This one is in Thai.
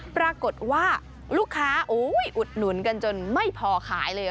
ปรากฏว่าลูกค้าอุดหนุนกันจนไม่พอขายเลย